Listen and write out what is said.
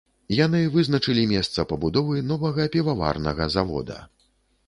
Яны вызначылі месца пабудовы новага піваварнага завода.